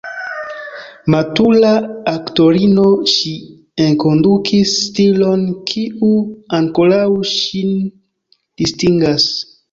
Matura aktorino, ŝi enkondukis stilon kiu ankoraŭ ŝin distingas.